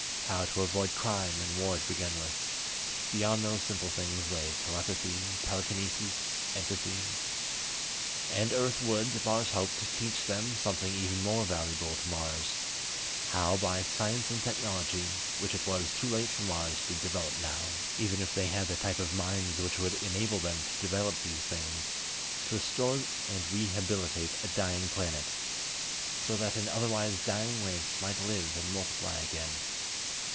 How to avoid crime and war to begin with. Beyond those simple things lay telepathy, telekinesis, empathy.... And Earth would, Mars hoped, teach them something even more valuable to Mars: how, by science and technology which it was too late for Mars to develop now, even if they had the type of minds which would enable them to develop these things to restore and rehabilitate a dying planet, so that an otherwise dying race might live and multiply again.